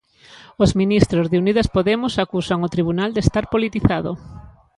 Os ministros de Unidas Podemos acusan o tribunal de estar politizado.